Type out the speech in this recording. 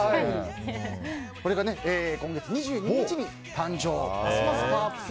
これが今月２２日に誕生いたします。